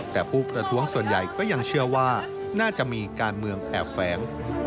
แต่ผู้ประท้วงส่วนใหญ่ก็ยังเชื่อว่าน่าจะมีการเมืองแอบแฝง